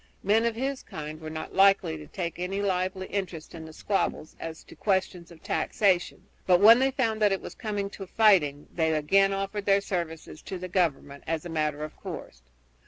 Men of this kind were not likely to take any lively interest in the squabbles as to questions of taxation, but when they found that it was coming to fighting they again offered their services to the government as a matter of course.